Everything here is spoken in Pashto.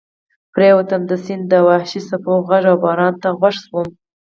پرېوتم، د سیند د وحشي څپو غږ او باران ته غوږ شوم.